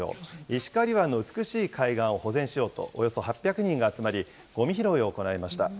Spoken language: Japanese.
石狩湾の美しい海岸を保全しようと、およそ８００人が集まり、ごみ拾いを行いました。